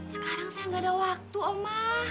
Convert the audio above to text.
sekarang saya gak ada waktu oma